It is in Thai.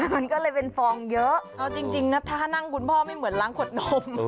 มันก็เลยเป็นฟองเยอะเอาจริงนะท่านั่งคุณพ่อไม่เหมือนล้างขวดนม